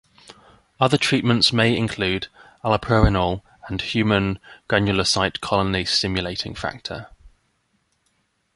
Other treatments may include allopurinol and human granulocyte colony stimulating factor.